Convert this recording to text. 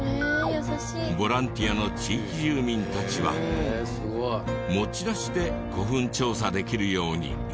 ボランティアの地域住民たちは持ち出して古墳調査できるように山を整備。